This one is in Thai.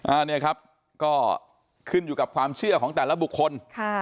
อันนี้ครับก็ขึ้นอยู่กับความเชื่อของแต่ละบุคคลค่ะ